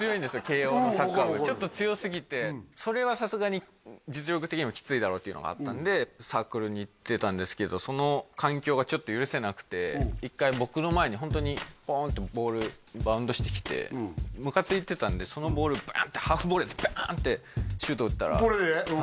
慶應のサッカー部ちょっと強すぎてそれはさすがに実力的にもきついだろうっていうのがあったんでサークルに行ってたんですけどその環境がちょっと許せなくて一回僕の前にホントにポーンとボールバウンドしてきてムカついてたんでそのボールバーンとハーフボレーでバーンってシュート打ったらボレーで？